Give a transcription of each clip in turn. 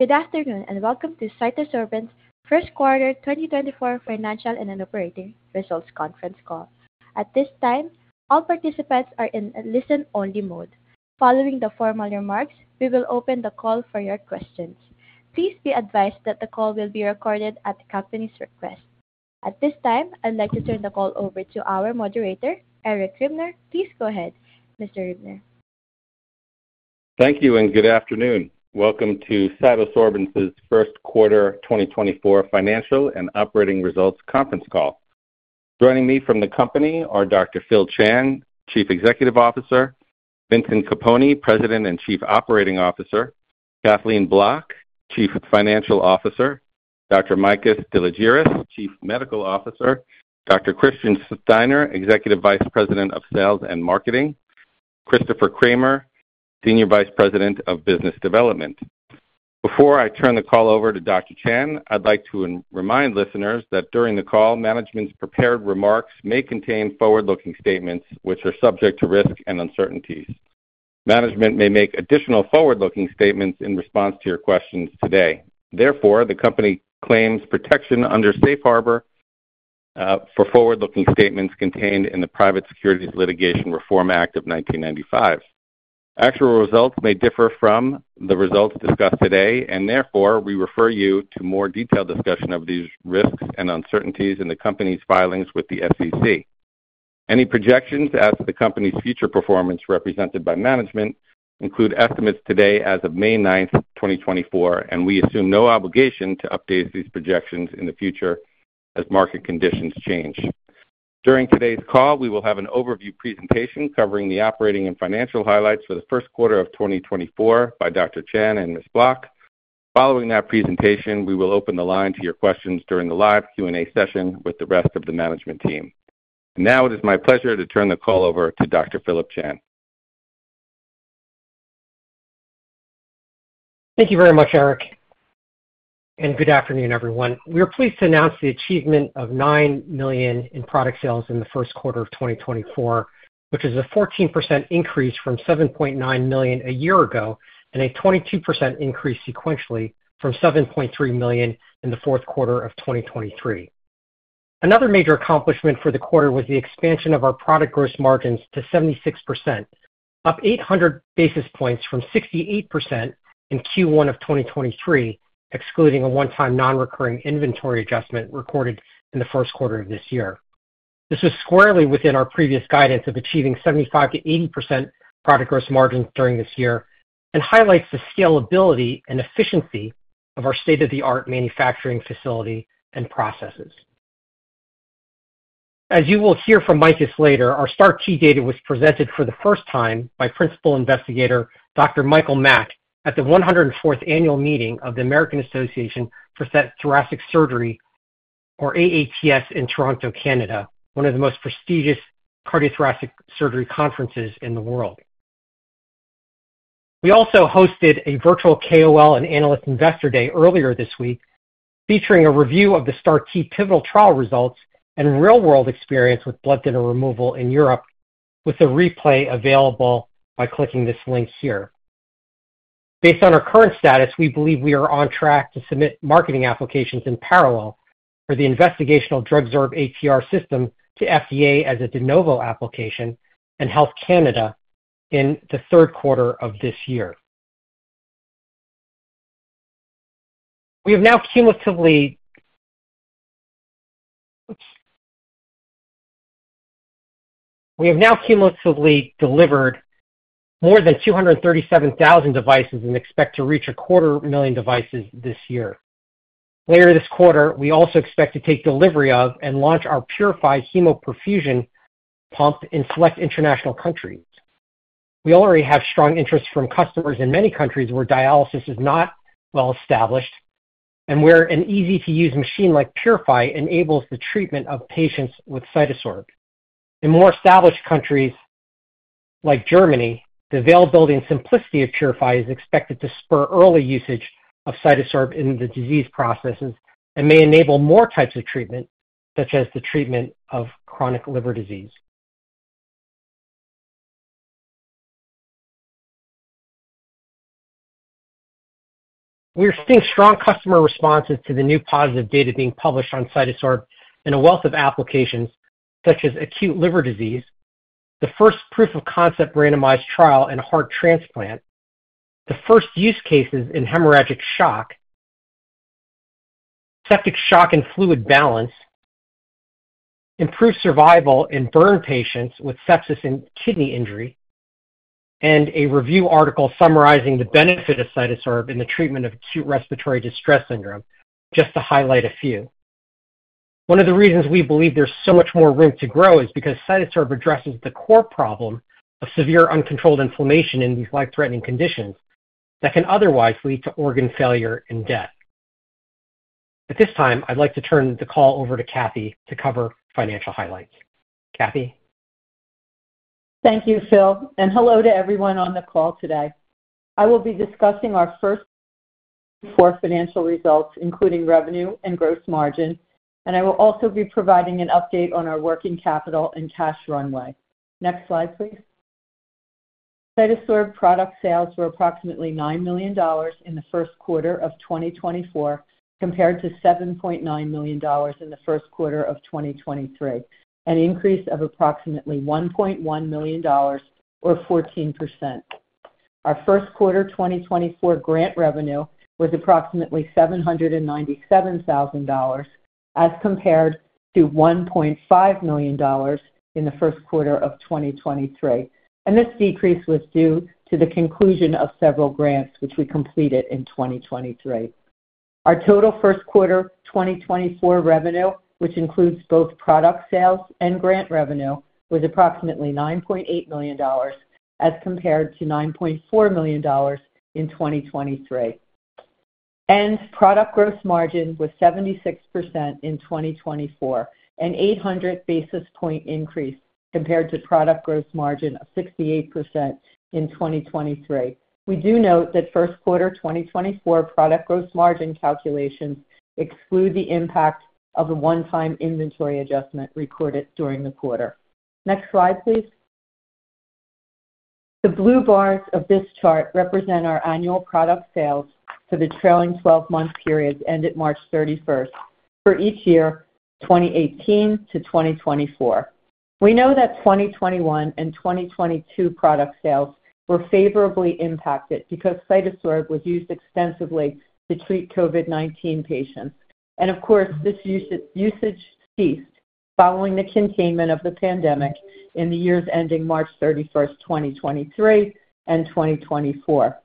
Good afternoon and welcome to CytoSorbents' first quarter 2024 financial and operating results conference call. At this time, all participants are in listen-only mode. Following the formal remarks, we will open the call for your questions. Please be advised that the call will be recorded at the company's request. At this time, I'd like to turn the call over to our moderator, Eric Ribner. Please go ahead, Mr. Ribner. Thank you and good afternoon. Welcome to CytoSorbents' first quarter 2024 financial and operating results conference call. Joining me from the company are Dr. Phillip Chan, Chief Executive Officer, Vincent Capponi, President and Chief Operating Officer, Kathleen Bloch, Chief Financial Officer, Dr. Efthymios Deliargyris, Chief Medical Officer, Dr. Christian Steiner, Executive Vice President of Sales and Marketing, Christopher Cramer, Senior Vice President of Business Development. Before I turn the call over to Dr. Chan, I'd like to remind listeners that during the call, management's prepared remarks may contain forward-looking statements which are subject to risk and uncertainties. Management may make additional forward-looking statements in response to your questions today. Therefore, the company claims protection under safe harbor for forward-looking statements contained in the Private Securities Litigation Reform Act of 1995. Actual results may differ from the results discussed today, and therefore we refer you to more detailed discussion of these risks and uncertainties in the company's filings with the SEC. Any projections as to the company's future performance represented by management include estimates today as of May 9, 2024, and we assume no obligation to update these projections in the future as market conditions change. During today's call, we will have an overview presentation covering the operating and financial highlights for the first quarter of 2024 by Dr. Chan and Ms. Bloch. Following that presentation, we will open the line to your questions during the live Q&A session with the rest of the management team. Now it is my pleasure to turn the call over to Dr. Phillip Chan. Thank you very much, Eric. And good afternoon, everyone. We are pleased to announce the achievement of $9 million in product sales in the first quarter of 2024, which is a 14% increase from $7.9 million a year ago and a 22% increase sequentially from $7.3 million in the fourth quarter of 2023. Another major accomplishment for the quarter was the expansion of our product gross margins to 76%, up 800 basis points from 68% in Q1 of 2023, excluding a one-time non-recurring inventory adjustment recorded in the first quarter of this year. This was squarely within our previous guidance of achieving 75%-80% product gross margins during this year and highlights the scalability and efficiency of our state-of-the-art manufacturing facility and processes. As you will hear from Makis later, our STAR-T data was presented for the first time by Principal Investigator Dr. Michael Mack at the 104th annual meeting of the American Association for Thoracic Surgery, or AATS, in Toronto, Canada, one of the most prestigious cardiothoracic surgery conferences in the world. We also hosted a virtual KOL and Analyst Investor Day earlier this week featuring a review of the STAR-T pivotal trial results and real-world experience with blood thinner removal in Europe, with the replay available by clicking this link here. Based on our current status, we believe we are on track to submit marketing applications in parallel for the investigational DrugSorb-ATR system to FDA as a de novo application and Health Canada in the third quarter of this year. We have now cumulatively delivered more than 237,000 devices and expect to reach 250,000 devices this year. Later this quarter, we also expect to take delivery of and launch our PuriFi hemoperfusion pump in select international countries. We already have strong interest from customers in many countries where dialysis is not well established and where an easy-to-use machine like PuriFi enables the treatment of patients with CytoSorb. In more established countries like Germany, the availability and simplicity of PuriFi is expected to spur early usage of CytoSorb in the disease processes and may enable more types of treatment, such as the treatment of chronic liver disease. We are seeing strong customer responses to the new positive data being published on CytoSorb and a wealth of applications such as acute liver disease, the first proof-of-concept randomized trial in a heart transplant, the first use cases in hemorrhagic shock, septic shock and fluid balance, improved survival in burn patients with sepsis and kidney injury, and a review article summarizing the benefit of CytoSorb in the treatment of acute respiratory distress syndrome, just to highlight a few. One of the reasons we believe there's so much more room to grow is because CytoSorb addresses the core problem of severe uncontrolled inflammation in these life-threatening conditions that can otherwise lead to organ failure and death. At this time, I'd like to turn the call over to Kathy to cover financial highlights. Kathy? Thank you, Phil. Hello to everyone on the call today. I will be discussing our first quarter financial results, including revenue and gross margin, and I will also be providing an update on our working capital and cash runway. Next slide, please. CytoSorb product sales were approximately $9 million in the first quarter of 2024 compared to $7.9 million in the first quarter of 2023, an increase of approximately $1.1 million or 14%. Our first quarter 2024 grant revenue was approximately $797,000 as compared to $1.5 million in the first quarter of 2023, and this decrease was due to the conclusion of several grants, which we completed in 2023. Our total first quarter 2024 revenue, which includes both product sales and grant revenue, was approximately $9.8 million as compared to $9.4 million in 2023. Product gross margin was 76% in 2024, an 800 basis point increase compared to product gross margin of 68% in 2023. We do note that first quarter 2024 product gross margin calculations exclude the impact of a one-time inventory adjustment recorded during the quarter. Next slide, please. The blue bars of this chart represent our annual product sales for the trailing 12-month periods ended March 31st for each year, 2018 to 2024. We know that 2021 and 2022 product sales were favorably impacted because CytoSorb was used extensively to treat COVID-19 patients, and of course, this usage ceased following the containment of the pandemic in the years ending March 31st, 2023, and 2024.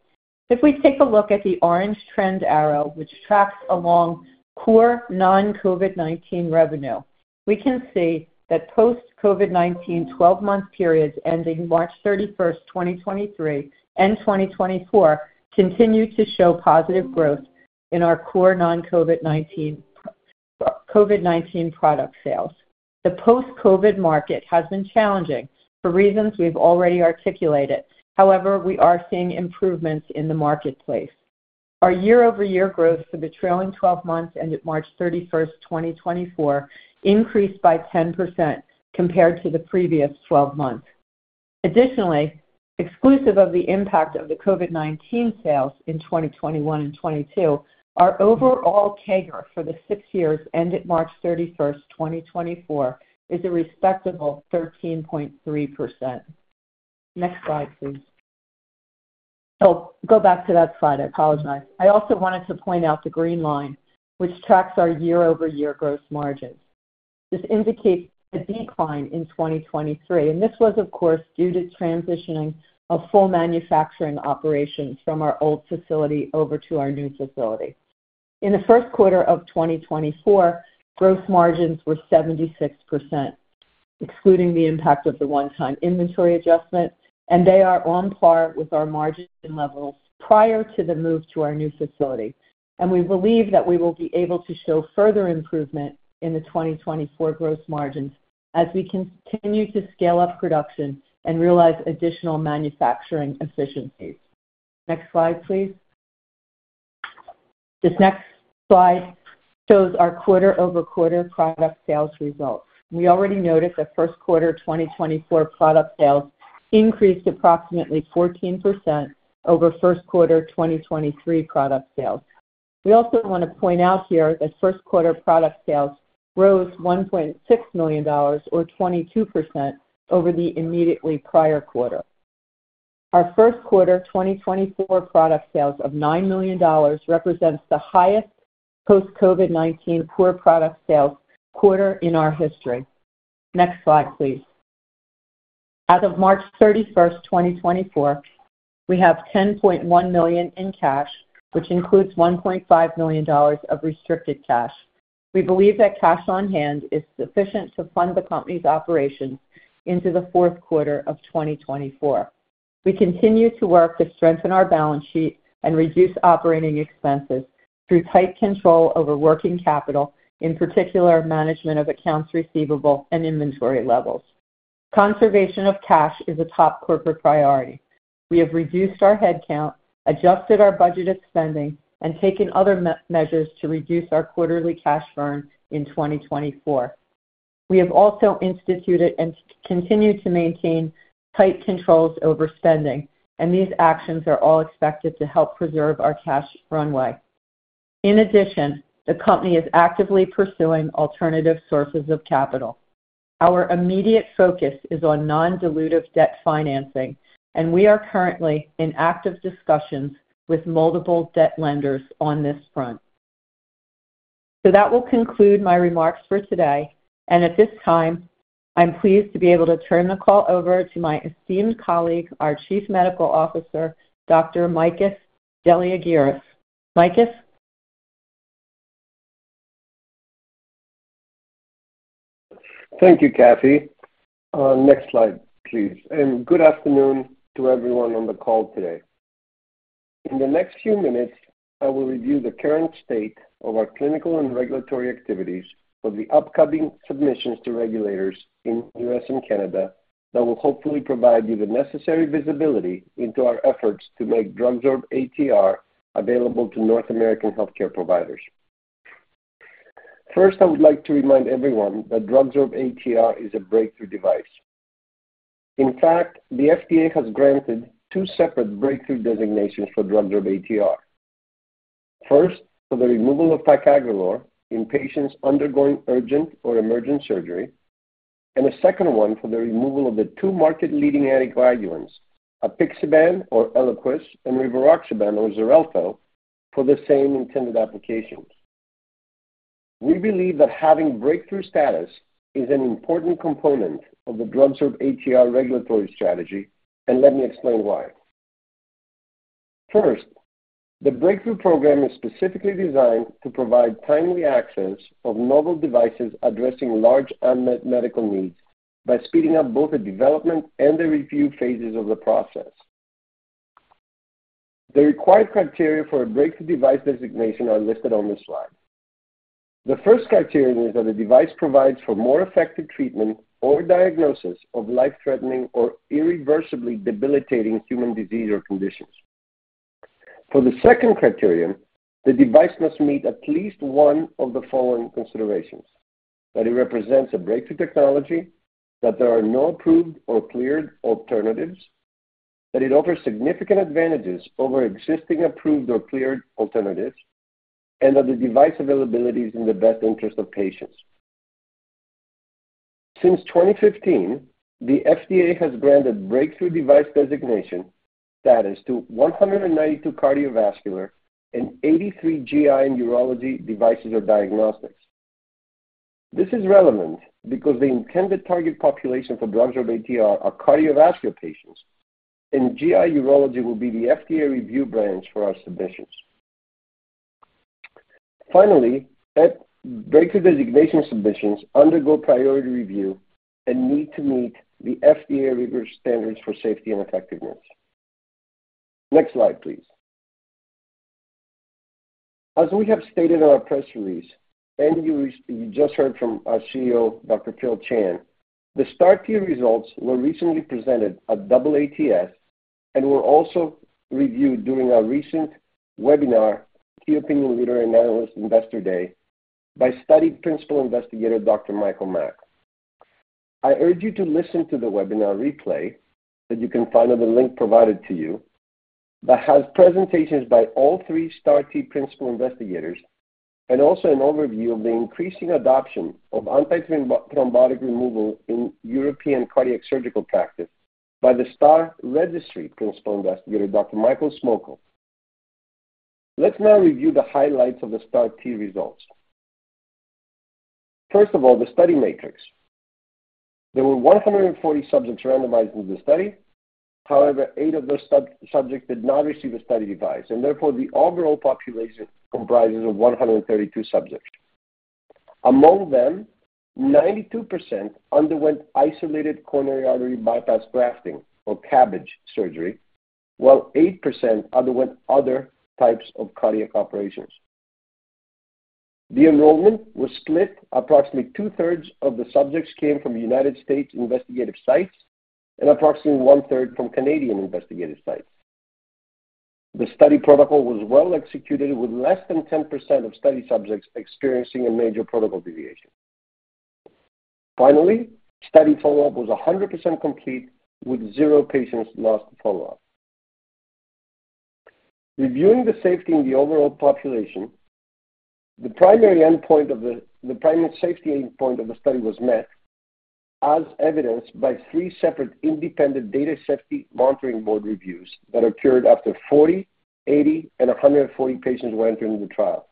If we take a look at the orange trend arrow, which tracks along core non-COVID-19 revenue, we can see that post-COVID-19 12-month periods ending March 31st, 2023, and 2024 continue to show positive growth in our core non-COVID-19 product sales. The post-COVID market has been challenging for reasons we've already articulated. However, we are seeing improvements in the marketplace. Our year-over-year growth for the trailing 12 months ended March 31st, 2024, increased by 10% compared to the previous 12 months. Additionally, exclusive of the impact of the COVID-19 sales in 2021 and 2022, our overall CAGR for the six years ended March 31st, 2024, is a respectable 13.3%. Next slide, please. Oh, go back to that slide. I apologize. I also wanted to point out the green line, which tracks our year-over-year gross margins. This indicates a decline in 2023, and this was, of course, due to transitioning of full manufacturing operations from our old facility over to our new facility. In the first quarter of 2024, gross margins were 76%, excluding the impact of the one-time inventory adjustment, and they are on par with our margin levels prior to the move to our new facility. We believe that we will be able to show further improvement in the 2024 gross margins as we continue to scale up production and realize additional manufacturing efficiencies. Next slide, please. This next slide shows our quarter-over-quarter product sales results. We already noted that first quarter 2024 product sales increased approximately 14% over first quarter 2023 product sales. We also want to point out here that first quarter product sales rose $1.6 million or 22% over the immediately prior quarter. Our first quarter 2024 product sales of $9 million represents the highest post-COVID-19 core product sales quarter in our history. Next slide, please. As of March 31st, 2024, we have $10.1 million in cash, which includes $1.5 million of restricted cash. We believe that cash on hand is sufficient to fund the company's operations into the fourth quarter of 2024. We continue to work to strengthen our balance sheet and reduce operating expenses through tight control over working capital, in particular management of accounts receivable and inventory levels. Conservation of cash is a top corporate priority. We have reduced our headcount, adjusted our budgeted spending, and taken other measures to reduce our quarterly cash burn in 2024. We have also instituted and continue to maintain tight controls over spending, and these actions are all expected to help preserve our cash runway. In addition, the company is actively pursuing alternative sources of capital. Our immediate focus is on non-dilutive debt financing, and we are currently in active discussions with multiple debt lenders on this front. So that will conclude my remarks for today, and at this time, I'm pleased to be able to turn the call over to my esteemed colleague, our Chief Medical Officer, Dr. Makis Deliargyris. Makis? Thank you, Kathy. Next slide, please. Good afternoon to everyone on the call today. In the next few minutes, I will review the current state of our clinical and regulatory activities for the upcoming submissions to regulators in the U.S. and Canada that will hopefully provide you the necessary visibility into our efforts to make DrugSorb-ATR available to North American healthcare providers. First, I would like to remind everyone that DrugSorb-ATR is a breakthrough device. In fact, the FDA has granted two separate breakthrough designations for DrugSorb-ATR. First, for the removal of ticagrelor in patients undergoing urgent or emergent surgery, and a second one for the removal of the two market-leading anticoagulants, apixaban or Eliquis and rivaroxaban or Xarelto, for the same intended applications. We believe that having breakthrough status is an important component of the DrugSorb-ATR regulatory strategy, and let me explain why. First, the breakthrough program is specifically designed to provide timely access of novel devices addressing large unmet medical needs by speeding up both the development and the review phases of the process. The required criteria for a breakthrough device designation are listed on this slide. The first criterion is that the device provides for more effective treatment or diagnosis of life-threatening or irreversibly debilitating human disease or conditions. For the second criterion, the device must meet at least one of the following considerations: that it represents a breakthrough technology, that there are no approved or cleared alternatives, that it offers significant advantages over existing approved or cleared alternatives, and that the device availability is in the best interest of patients. Since 2015, the FDA has granted breakthrough device designation status to 192 cardiovascular and 83 GI and urology devices or diagnostics. This is relevant because the intended target population for DrugSorb-ATR are cardiovascular patients, and GI urology will be the FDA review branch for our submissions. Finally, breakthrough designation submissions undergo priority review and need to meet the FDA rigorous standards for safety and effectiveness. Next slide, please. As we have stated in our press release, and you just heard from our CEO, Dr. Phillip Chan, the STAR-T results were recently presented at AATS and were also reviewed during our recent webinar, Key Opinion Leader and Analyst Investor Day, by study principal investigator Dr. Michael Mack. I urge you to listen to the webinar replay that you can find at the link provided to you that has presentations by all three STAR-T principal investigators and also an overview of the increasing adoption of anti-thrombotic removal in European cardiac surgical practice by the STAR Registry principal investigator, Dr. Michael Schmoeckel. Let's now review the highlights of the STAR-T results. First of all, the study matrix. There were 140 subjects randomized into the study. However, 8 of those subjects did not receive a study device, and therefore the overall population comprises of 132 subjects. Among them, 92% underwent isolated coronary artery bypass grafting or CABG surgery, while 8% underwent other types of cardiac operations. The enrollment was split. Approximately two-thirds of the subjects came from United States investigational sites and approximately one-third from Canadian investigational sites. The study protocol was well executed with less than 10% of study subjects experiencing a major protocol deviation. Finally, study follow-up was 100% complete with 0 patients lost to follow-up. Reviewing the safety in the overall population, the primary endpoint of the primary safety endpoint of the study was met as evidenced by three separate independent data safety monitoring board reviews that occurred after 40, 80, and 140 patients were entered into the trial.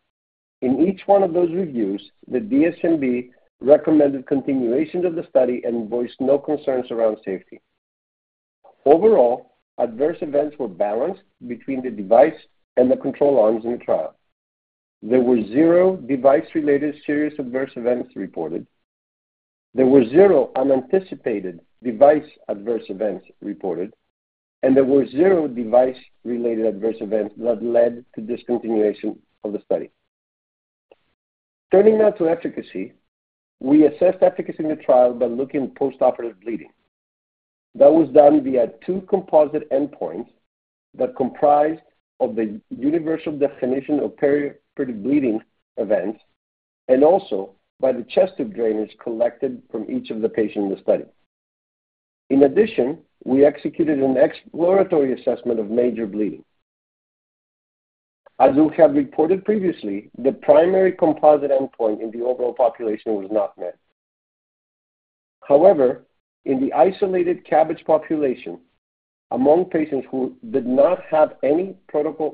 In each one of those reviews, the DSMB recommended continuation of the study and voiced no concerns around safety. Overall, adverse events were balanced between the device and the control arms in the trial. There were 0 device-related serious adverse events reported. There were 0 unanticipated device adverse events reported. There were 0 device-related adverse events that led to discontinuation of the study. Turning now to efficacy, we assessed efficacy in the trial by looking at postoperative bleeding. That was done via two composite endpoints that comprised of the universal definition of perioperative bleeding events and also by the chest tube drainage collected from each of the patients in the study. In addition, we executed an exploratory assessment of major bleeding. As we have reported previously, the primary composite endpoint in the overall population was not met. However, in the isolated CABG population among patients who did not have any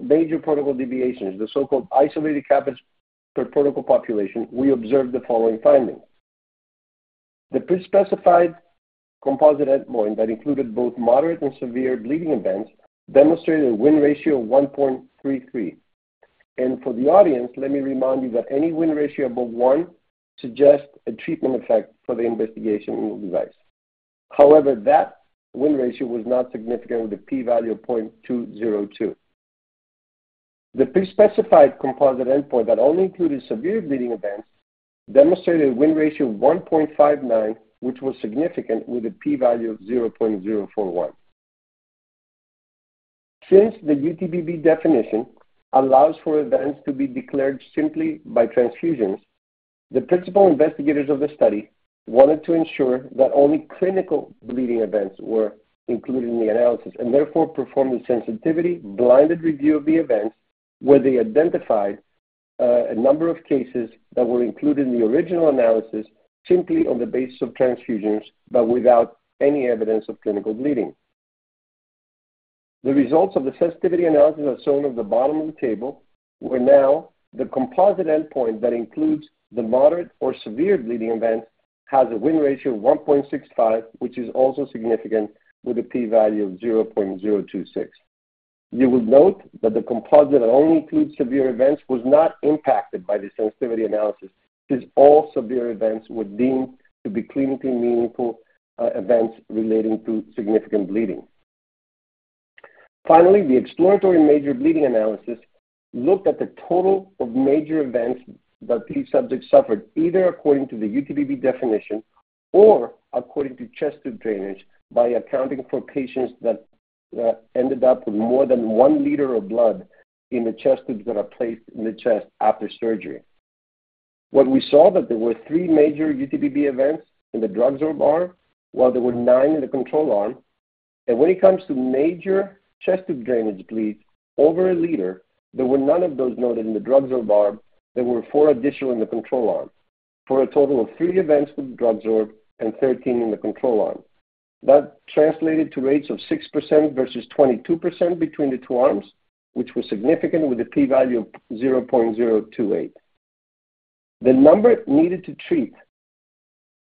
major protocol deviations, the so-called isolated CABG per protocol population, we observed the following findings. The pre-specified composite endpoint that included both moderate and severe bleeding events demonstrated a win ratio of 1.33. And for the audience, let me remind you that any win ratio above one suggests a treatment effect for the investigational device. However, that Win Ratio was not significant with a p-value of 0.202. The pre-specified composite endpoint that only included severe bleeding events demonstrated a Win Ratio of 1.59, which was significant with a p-value of 0.041. Since the UDPB definition allows for events to be declared simply by transfusions, the principal investigators of the study wanted to ensure that only clinical bleeding events were included in the analysis and therefore performed a sensitivity blinded review of the events where they identified a number of cases that were included in the original analysis simply on the basis of transfusions but without any evidence of clinical bleeding. The results of the sensitivity analysis as shown at the bottom of the table were now the composite endpoint that includes the moderate or severe bleeding events has a Win Ratio of 1.65, which is also significant with a p-value of 0.026. You will note that the composite that only includes severe events was not impacted by the sensitivity analysis since all severe events were deemed to be clinically meaningful events relating to significant bleeding. Finally, the exploratory major bleeding analysis looked at the total of major events that these subjects suffered either according to the UDPB definition or according to chest tube drainage by accounting for patients that ended up with more than one liter of blood in the chest tubes that are placed in the chest after surgery. What we saw was that there were three major UDPB events in the DrugSorb arm while there were nine in the control arm. And when it comes to major chest tube drainage bleeds over a liter, there were none of those noted in the DrugSorb arm. There were 4 additional in the control arm for a total of 3 events with DrugSorb and 13 in the control arm. That translated to rates of 6% versus 22% between the two arms, which was significant with a p-value of 0.028. The number needed to treat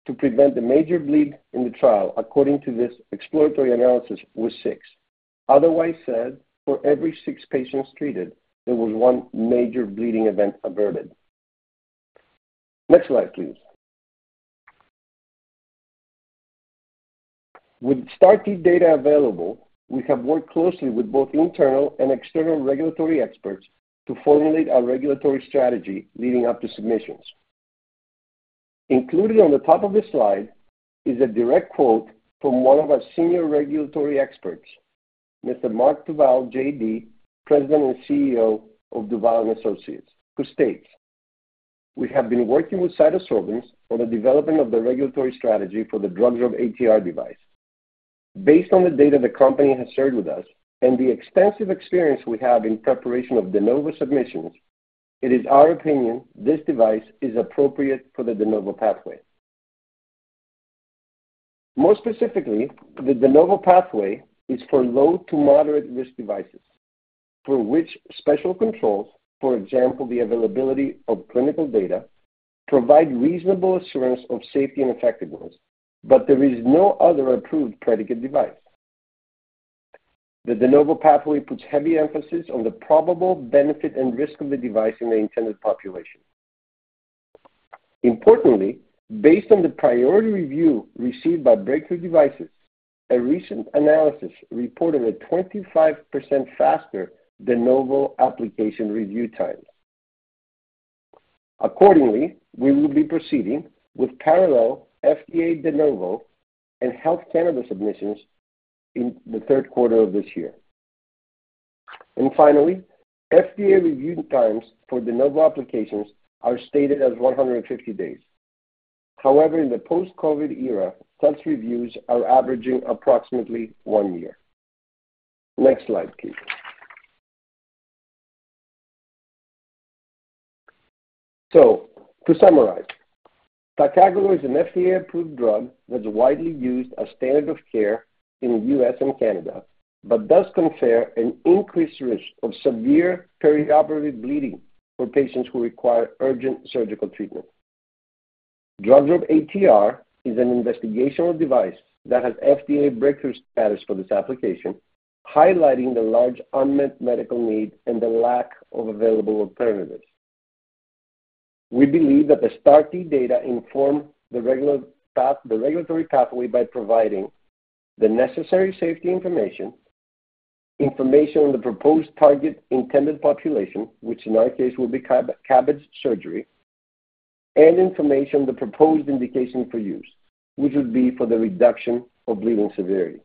to prevent the major bleed in the trial according to this exploratory analysis was 6. Otherwise said, for every 6 patients treated, there was one major bleeding event averted. Next slide, please. With STAR-T data available, we have worked closely with both internal and external regulatory experts to formulate our regulatory strategy leading up to submissions. Included on the top of this slide is a direct quote from one of our senior regulatory experts, Mr. Mark Duvall, J.D., President and CEO of Duvall & Associates Who states, "We have been working with CytoSorbents on the development of the regulatory strategy for the DrugSorb-ATR device. Based on the data the company has shared with us and the extensive experience we have in preparation of De Novo submissions, it is our opinion this device is appropriate for the De Novo pathway." More specifically, the De Novo pathway is for low to moderate risk devices for which special controls, for example, the availability of clinical data, provide reasonable assurance of safety and effectiveness, but there is no other approved predicate device. The De Novo pathway puts heavy emphasis on the probable benefit and risk of the device in the intended population. Importantly, based on the priority review received by breakthrough devices, a recent analysis reported a 25% faster De Novo application review time. Accordingly, we will be proceeding with parallel FDA De Novo and Health Canada submissions in the third quarter of this year. And finally, FDA review times for De Novo applications are stated as 150 days. However, in the post-COVID era, such reviews are averaging approximately one year. Next slide, please. So, to summarize, ticagrelor is an FDA-approved drug that's widely used as standard of care in the U.S. and Canada but does confer an increased risk of severe perioperative bleeding for patients who require urgent surgical treatment. DrugSorb-ATR is an investigational device that has FDA breakthrough status for this application, highlighting the large unmet medical need and the lack of available alternatives. We believe that the STAR-T data inform the regulatory pathway by providing the necessary safety information, information on the proposed target intended population, which in our case will be CABG surgery, and information on the proposed indication for use, which would be for the reduction of bleeding severity.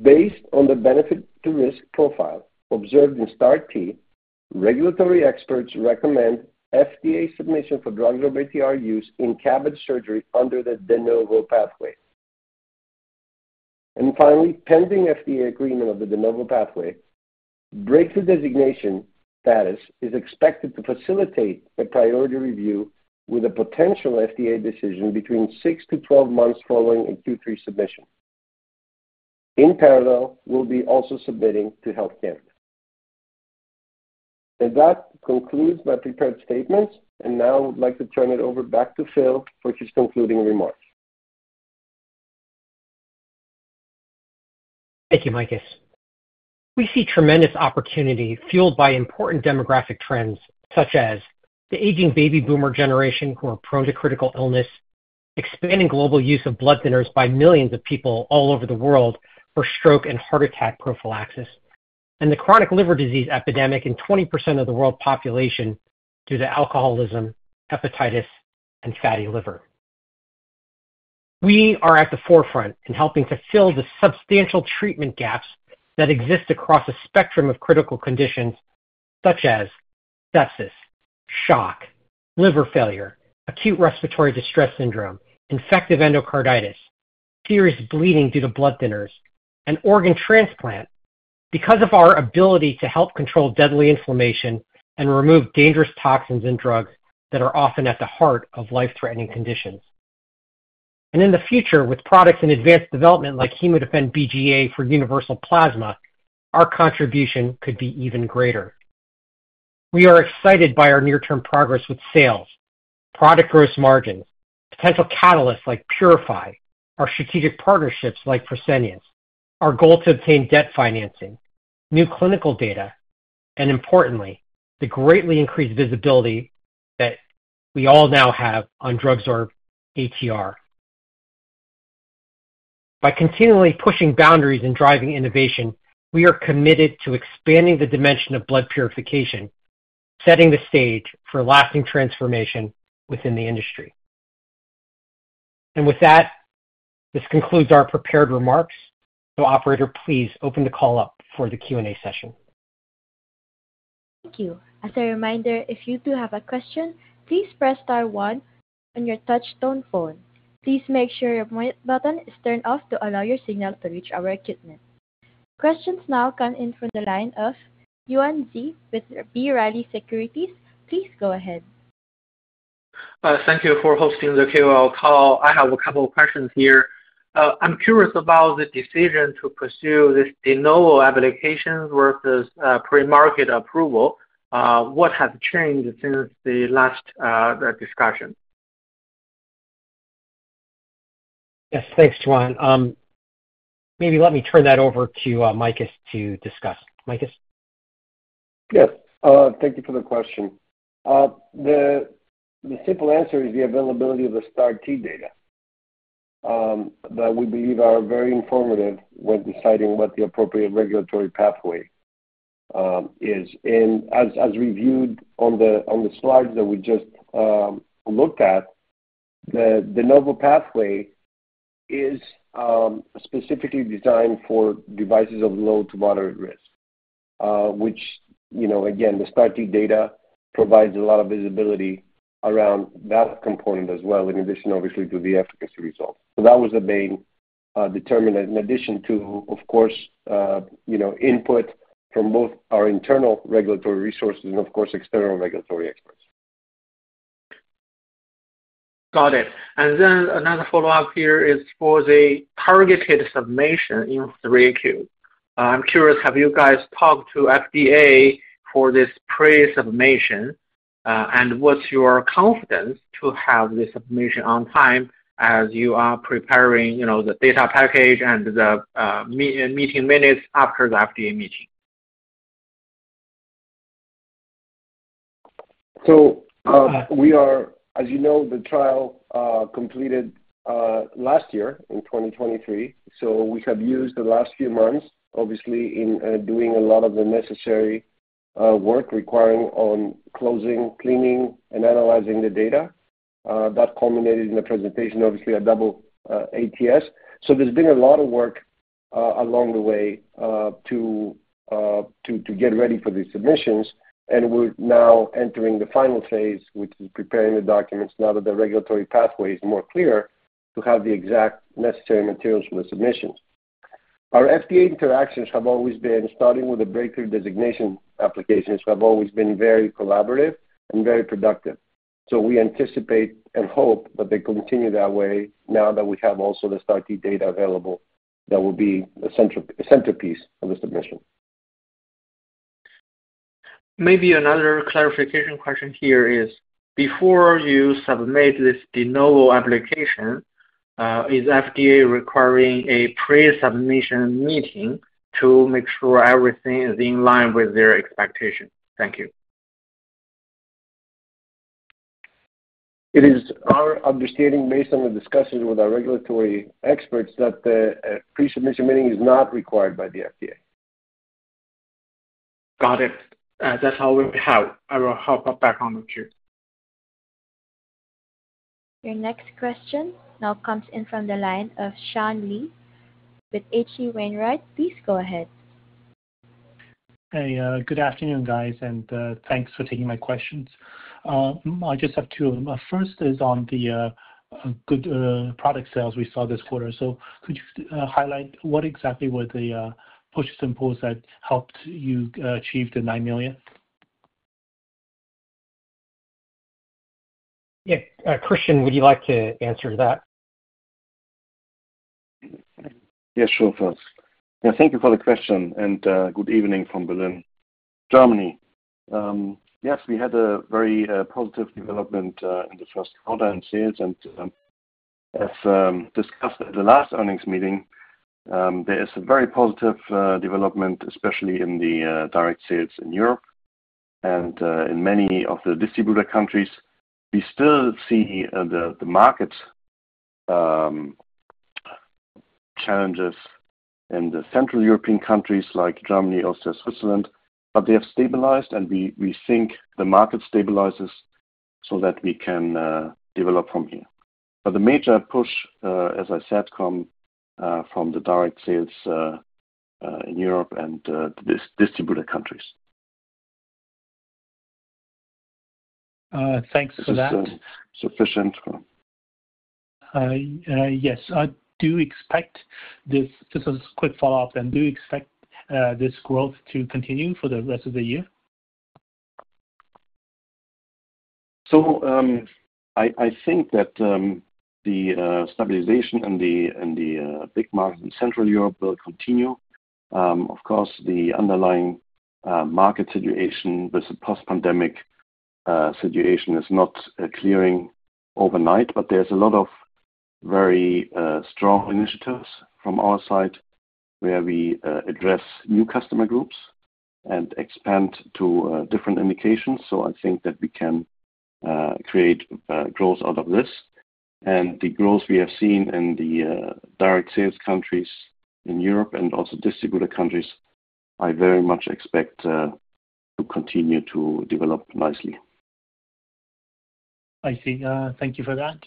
Based on the benefit-to-risk profile observed in STAR-T, regulatory experts recommend FDA submission for DrugSorb-ATR use in CABG surgery under the De Novo pathway. Finally, pending FDA agreement of the De Novo pathway, breakthrough designation status is expected to facilitate a priority review with a potential FDA decision between 6-12 months following a Q3 submission. In parallel, we'll be also submitting to Health Canada. That concludes my prepared statements, and now I would like to turn it over back to Phil for his concluding remarks. Thank you, Makis. We see tremendous opportunity fueled by important demographic trends such as the aging baby boomer generation who are prone to critical illness, expanding global use of blood thinners by millions of people all over the world for stroke and heart attack prophylaxis, and the chronic liver disease epidemic in 20% of the world population due to alcoholism, hepatitis, and fatty liver. We are at the forefront in helping to fill the substantial treatment gaps that exist across a spectrum of critical conditions such as sepsis, shock, liver failure, acute respiratory distress syndrome, infective endocarditis, serious bleeding due to blood thinners, and organ transplant because of our ability to help control deadly inflammation and remove dangerous toxins and drugs that are often at the heart of life-threatening conditions. And in the future, with products in advanced development like HemoDefend BGA for universal plasma, our contribution could be even greater. We are excited by our near-term progress with sales, product gross margins, potential catalysts like PuriFi, our strategic partnerships like Fresenius, our goal to obtain debt financing, new clinical data, and importantly, the greatly increased visibility that we all now have on DrugSorb-ATR. By continually pushing boundaries and driving innovation, we are committed to expanding the dimension of blood purification, setting the stage for lasting transformation within the industry. And with that, this concludes our prepared remarks, so operator, please open the call up for the Q&A session. Thank you. As a reminder, if you do have a question, please press star one on your touch-tone phone. Please make sure your mute button is turned off to allow your signal to reach our equipment. Questions now come in from the line of Yuan Zhi with B. Riley Securities. Please go ahead. Thank you for hosting the KOL call. I have a couple of questions here. I'm curious about the decision to pursue this De Novo application versus pre-market approval. What has changed since the last discussion? Yes, thanks, Yuan. Maybe let me turn that over to Makis to discuss. Makis? Yes. Thank you for the question. The simple answer is the availability of the STAR-T data that we believe are very informative when deciding what the appropriate regulatory pathway is. And as reviewed on the slides that we just looked at, the De Novo pathway is specifically designed for devices of low to moderate risk, which, again, the STAR-T data provides a lot of visibility around that component as well in addition, obviously, to the efficacy results. So that was the main determinant in addition to, of course, input from both our internal regulatory resources and, of course, external regulatory experts. Got it. Then another follow-up here is for the targeted submission in 3Q. I'm curious, have you guys talked to FDA for this pre-submission, and what's your confidence to have the submission on time as you are preparing the data package and the meeting minutes after the FDA meeting? So we are, as you know, the trial completed last year in 2023, so we have used the last few months, obviously, in doing a lot of the necessary work required for closing, cleaning, and analyzing the data. That culminated in the presentation, obviously, at the AATS. So there's been a lot of work along the way to get ready for these submissions, and we're now entering the final phase, which is preparing the documents now that the regulatory pathway is more clear to have the exact necessary materials for the submissions. Our FDA interactions have always been starting with the breakthrough designation applications have always been very collaborative and very productive. So we anticipate and hope that they continue that way now that we have also the STAR-T data available that will be the centerpiece of the submission. Maybe another clarification question here is, before you submit this De Novo application, is FDA requiring a pre-submission meeting to make sure everything is in line with their expectations? Thank you. It is our understanding based on the discussions with our regulatory experts that the pre-submission meeting is not required by the FDA. Got it. That's how we will have. I will hop back on with you. Your next question now comes in from the line of Sean Lee with H.C. Wainwright. Please go ahead. Hey, good afternoon, guys, and thanks for taking my questions. I just have two of them. First is on the good product sales we saw this quarter. So could you highlight what exactly were the pushes and pulls that helped you achieve the $9 million? Yeah. Christian, would you like to answer that? Yes, sure, Phil. Yeah, thank you for the question, and good evening from Berlin, Germany. Yes, we had a very positive development in the first quarter in sales, and as discussed at the last earnings meeting, there is a very positive development, especially in the direct sales in Europe and in many of the distributor countries. We still see the market challenges in the Central European countries like Germany or Switzerland, but they have stabilized, and we think the market stabilizes so that we can develop from here. But the major push, as I said, comes from the direct sales in Europe and distributor countries. Thanks for that. This is sufficient, Phil. Yes. I do expect this just as a quick follow-up, then do you expect this growth to continue for the rest of the year? So I think that the stabilization in the big markets in Central Europe will continue. Of course, the underlying market situation with the post-pandemic situation is not clearing overnight, but there's a lot of very strong initiatives from our side where we address new customer groups and expand to different indications. So I think that we can create growth out of this. And the growth we have seen in the direct sales countries in Europe and also distributor countries, I very much expect to continue to develop nicely. I see. Thank you for that.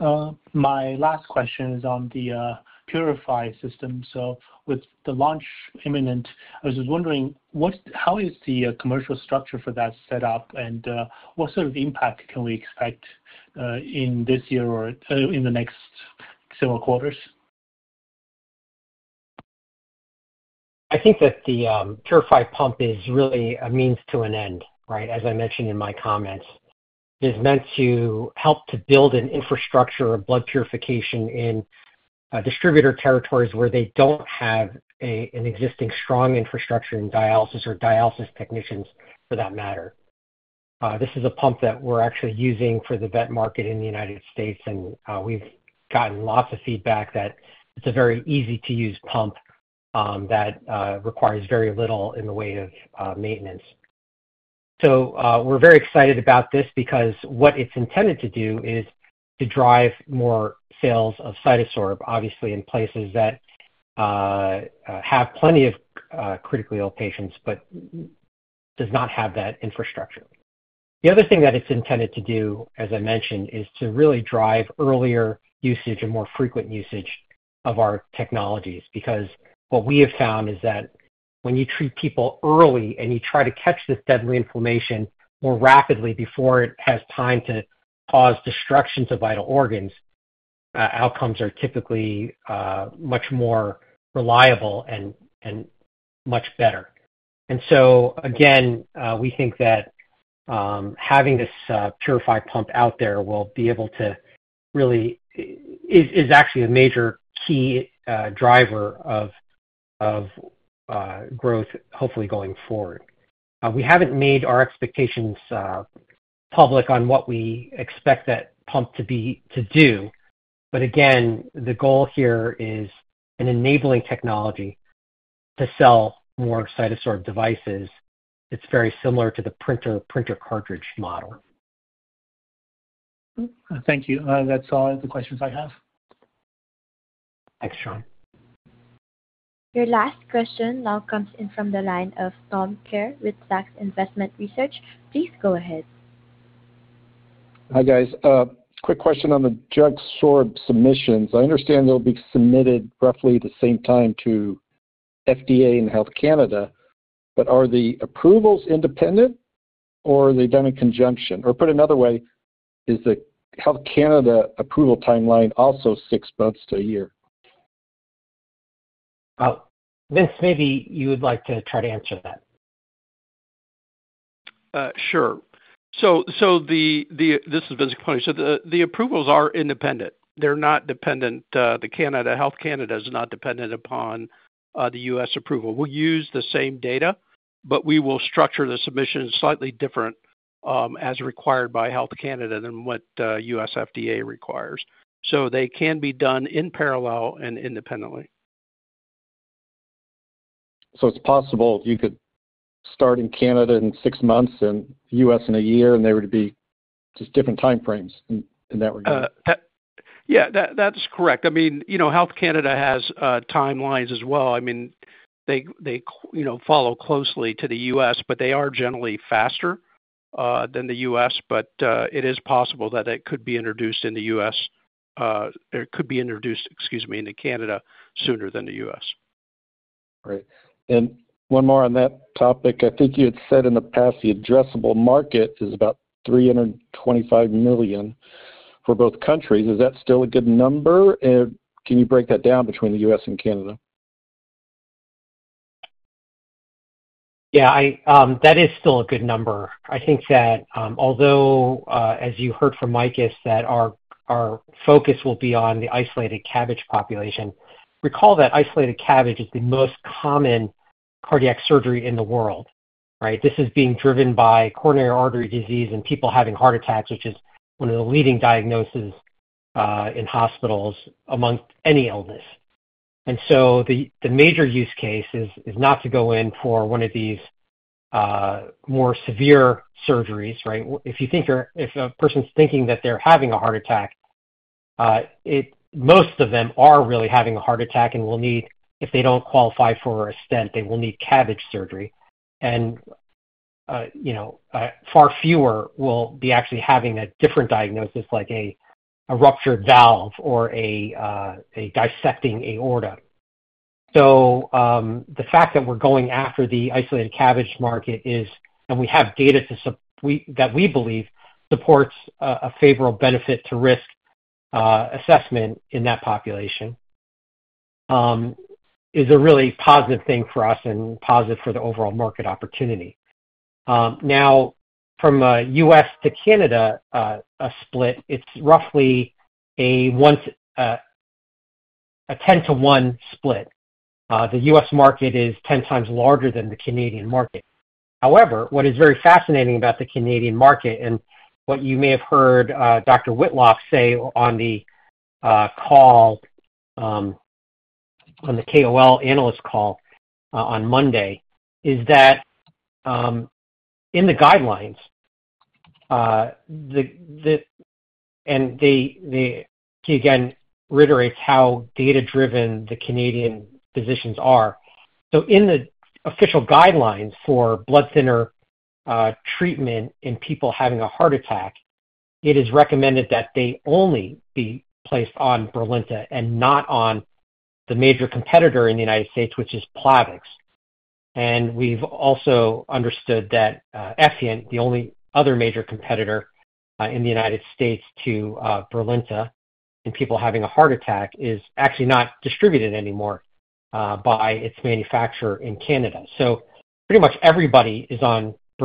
My last question is on the PuriFi system. With the launch imminent, I was just wondering, how is the commercial structure for that set up, and what sort of impact can we expect in this year or in the next several quarters? I think that the PuriFi pump is really a means to an end, right, as I mentioned in my comments. It is meant to help to build an infrastructure of blood purification in distributor territories where they don't have an existing strong infrastructure in dialysis or dialysis technicians, for that matter. This is a pump that we're actually using for the vet market in the United States, and we've gotten lots of feedback that it's a very easy-to-use pump that requires very little in the way of maintenance. So we're very excited about this because what it's intended to do is to drive more sales of CytoSorb, obviously, in places that have plenty of critically ill patients but does not have that infrastructure. The other thing that it's intended to do, as I mentioned, is to really drive earlier usage and more frequent usage of our technologies because what we have found is that when you treat people early and you try to catch this deadly inflammation more rapidly before it has time to cause destruction to vital organs, outcomes are typically much more reliable and much better. And so, again, we think that having this PuriFi pump out there will be able to really is actually a major key driver of growth, hopefully, going forward. We haven't made our expectations public on what we expect that pump to do, but again, the goal here is an enabling technology to sell more CytoSorb devices. It's very similar to the printer cartridge model. Thank you. That's all the questions I have. Thanks, Yuan. Your last question now comes in from the line of Tom Kerr with Zacks Investment Research. Please go ahead. Hi, guys. Quick question on the DrugSorb submissions. I understand they'll be submitted roughly the same time to FDA and Health Canada, but are the approvals independent, or are they done in conjunction? Or put another way, is the Health Canada approval timeline also 6 months to a year? Vince, maybe you would like to try to answer that. Sure. So this is Vince Capponi. So the approvals are independent. They're not dependent. Health Canada is not dependent upon the U.S. approval. We'll use the same data, but we will structure the submissions slightly different as required by Health Canada than what U.S. FDA requires. So they can be done in parallel and independently. So it's possible you could start in Canada in 6 months and the U.S. in a year, and there would be just different timeframes in that regard? Yeah, that's correct. I mean, Health Canada has timelines as well. I mean, they follow closely to the U.S., but they are generally faster than the U.S. But it is possible that it could be introduced in the U.S. it could be introduced, excuse me, into Canada sooner than the U.S. Great. And one more on that topic. I think you had said in the past the addressable market is about $325 million for both countries. Is that still a good number? Can you break that down between the US and Canada? Yeah, that is still a good number. I think that although, as you heard from Makis, that our focus will be on the isolated CABG population, recall that isolated CABG is the most common cardiac surgery in the world, right? This is being driven by coronary artery disease and people having heart attacks, which is one of the leading diagnoses in hospitals amongst any illness. And so the major use case is not to go in for one of these more severe surgeries, right? If a person's thinking that they're having a heart attack, most of them are really having a heart attack and will need, if they don't qualify for a stent, they will need CABG surgery. And far fewer will be actually having a different diagnosis like a ruptured valve or a dissecting aorta. So the fact that we're going after the isolated CABG market is and we have data that we believe supports a favorable benefit-to-risk assessment in that population is a really positive thing for us and positive for the overall market opportunity. Now, from U.S. to Canada split, it's roughly a 10-to-1 split. The U.S. market is 10 times larger than the Canadian market. However, what is very fascinating about the Canadian market and what you may have heard Dr. Whitlock say on the call on the KOL analyst call on Monday is that in the guidelines and he, again, reiterates how data-driven the Canadian physicians are. So in the official guidelines for blood thinner treatment in people having a heart attack, it is recommended that they only be placed on Brilinta and not on the major competitor in the United States, which is Plavix. We've also understood that Effient, the only other major competitor in the United States to Brilinta in people having a heart attack, is actually not distributed anymore by its manufacturer in Canada. Pretty much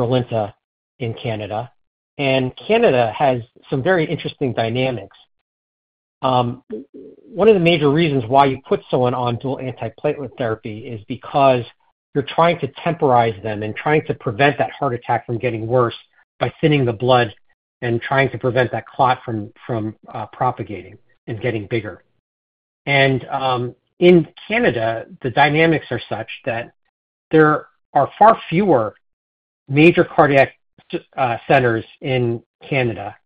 everybody is on Brilinta in Canada, and Canada has some very interesting dynamics. One of the major reasons why you put someone on dual antiplatelet therapy is because you're trying to temporize them and trying to prevent that heart attack from getting worse by thinning the blood and trying to prevent that clot from propagating and getting bigger. And in Canada, the dynamics are such that there are far fewer major cardiac centers in Canada,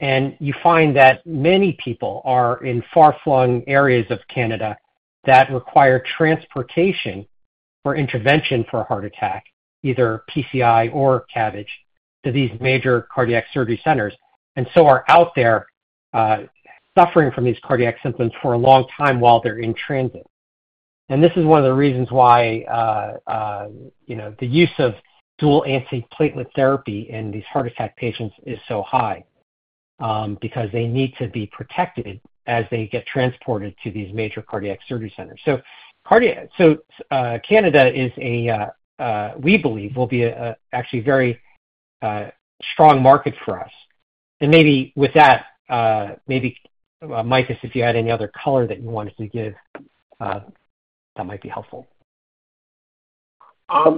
and you find that many people are in far-flung areas of Canada that require transportation for intervention for a heart attack, either PCI or CABG, to these major cardiac surgery centers and so are out there suffering from these cardiac symptoms for a long time while they're in transit. And this is one of the reasons why the use of Dual Antiplatelet Therapy in these heart attack patients is so high because they need to be protected as they get transported to these major cardiac surgery centers. So Canada is a we believe will be actually a very strong market for us. And maybe with that, maybe, Makis, if you had any other color that you wanted to give, that might be helpful.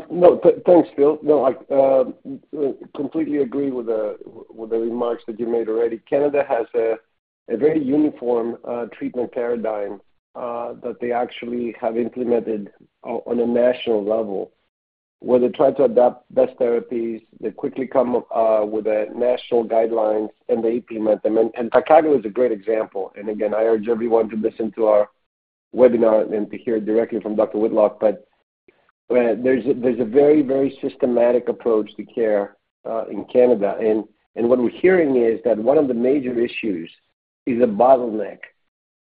No, thanks, Phil. No, I completely agree with the remarks that you made already. Canada has a very uniform treatment paradigm that they actually have implemented on a national level where they try to adopt best therapies. They quickly come up with national guidelines and the AP method. Pentacagol is a great example. Again, I urge everyone to listen to our webinar and to hear directly from Dr. Whitlock. But there's a very, very systematic approach to care in Canada. What we're hearing is that one of the major issues is a bottleneck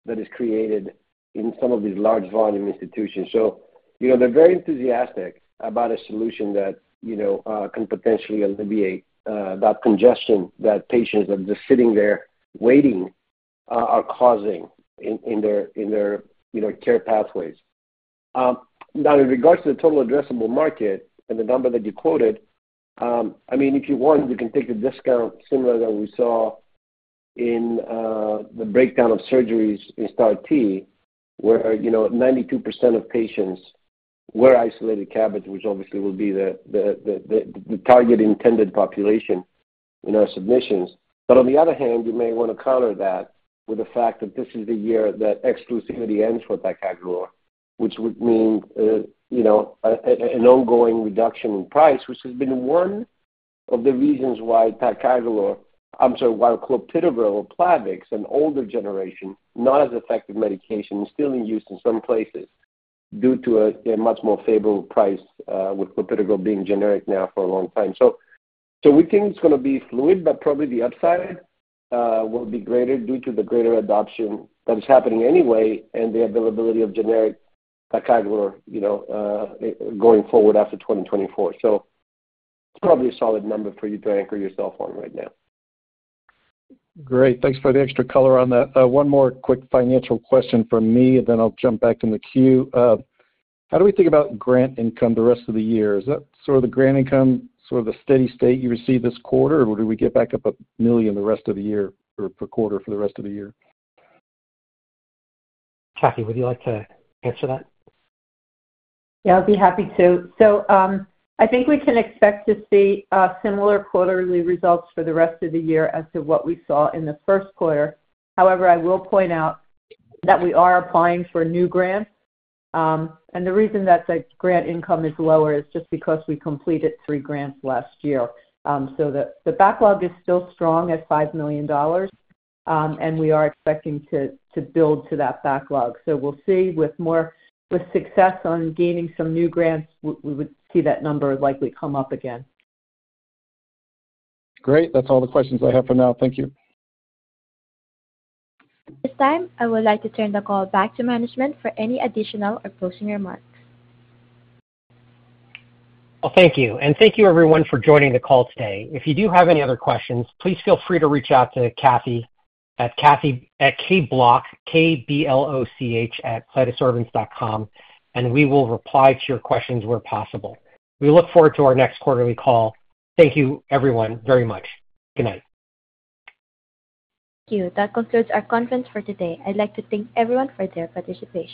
that is created in some of these large-volume institutions. So they're very enthusiastic about a solution that can potentially alleviate that congestion that patients that are just sitting there waiting are causing in their care pathways. Now, in regards to the total addressable market and the number that you quoted, I mean, if you want, you can take the discount similar to what we saw in the breakdown of surgeries in START where 92% of patients were isolated CABG, which obviously will be the target intended population in our submissions. But on the other hand, you may want to counter that with the fact that this is the year that exclusivity ends for Brilinta, which would mean an ongoing reduction in price, which has been one of the reasons why Brilinta or I'm sorry, why clopidogrel or Plavix, an older generation, not as effective medication, is still in use in some places due to a much more favorable price with clopidogrel being generic now for a long time. So we think it's going to be fluid, but probably the upside will be greater due to the greater adoption that is happening anyway and the availability of generic Pentacagol going forward after 2024. So it's probably a solid number for you to anchor yourself on right now. Great. Thanks for the extra color on that. One more quick financial question from me, and then I'll jump back in the queue. How do we think about grant income the rest of the year? Is that sort of the grant income, sort of the steady state you receive this quarter, or do we get back up $1 million the rest of the year or per quarter for the rest of the year? Cathy, would you like to answer that? Yeah, I'll be happy to. So I think we can expect to see similar quarterly results for the rest of the year as to what we saw in the first quarter. However, I will point out that we are applying for new grants. The reason that the grant income is lower is just because we completed three grants last year. The backlog is still strong at $5 million, and we are expecting to build to that backlog. We'll see. With success on gaining some new grants, we would see that number likely come up again. Great. That's all the questions I have for now. Thank you. T his time, I would like to turn the call back to management for any additional or closing remarks. Well, thank you. Thank you, everyone, for joining the call today. If you do have any other questions, please feel free to reach out to Kathy at kbloch, K-B-L-O-C-H, at cytosorbents.com, and we will reply to your questions where possible. We look forward to our next quarterly call. Thank you, everyone, very much. Good night. Thank you. That concludes our conference for today. I'd like to thank everyone for their participation.